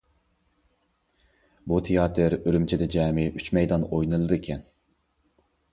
بۇ تىياتىر ئۈرۈمچىدە جەمئىي ئۈچ مەيدان ئوينىلىدىكەن.